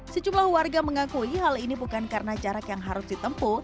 sejumlah warga mengakui hal ini bukan karena jarak yang harus ditempu